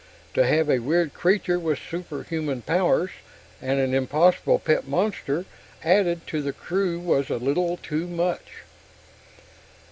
To have a weird creature with superhuman powers, and an impossible pet monster, added to the crew was a little too much.